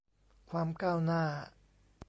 ความก้าวหน้า